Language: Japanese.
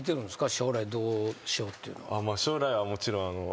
将来どうしようっていうのは。